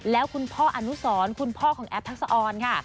แล้วคุณพ่ออนุสรคุณพ่อของแอฟทักษะออนค่ะ